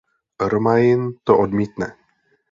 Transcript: Romain to odmítne.